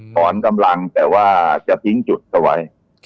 ถอนกำลังแต่ว่าจะทิ้งจุดเอาไว้